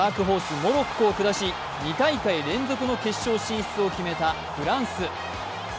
モロッコを下し２大会連続の決勝進出を決めたフランス。